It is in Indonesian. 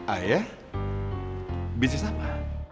ayah bisnis apa